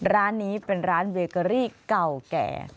ร้านนี้เป็นร้านเบเกอรี่เก่าแก่